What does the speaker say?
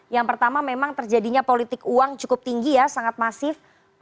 yang pertama memang terjadinya politik uang cukup tinggi ya sangat masif